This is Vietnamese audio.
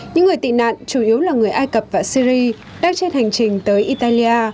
những người tị nạn chủ yếu là người ai cập và syri đang trên hành trình tới italia